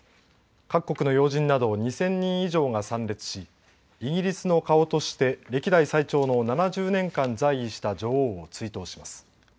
各国の要人など２０００人以上が参列しイギリスの顔として歴代最長の７０年間在位した女王を追悼します。